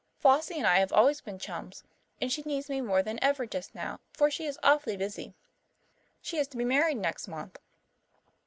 "Flossie and I have always been chums. And she needs me more than ever just now, for she is awfully busy. She is to be married next month."